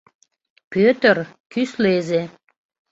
Пӧтыр — кӱслезе.